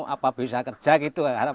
apa bisa kerja gitu